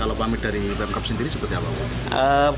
dari pemkap sendiri seperti apa